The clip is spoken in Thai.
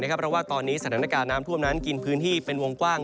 เพราะว่าตอนนี้สถานการณ์น้ำท่วมนั้นกินพื้นที่เป็นวงกว้าง